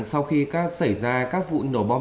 sau khi xảy ra các vụ nổ bom